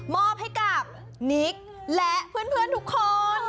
มอบให้กับนิกและเพื่อนทุกคน